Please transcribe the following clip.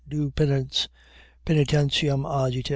Do penance. . .Paenitentiam agite.